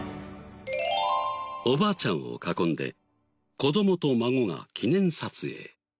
おばあちゃんを囲んで子供と孫が記念撮影。